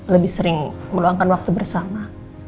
lebih sering meluangkan waktu bersama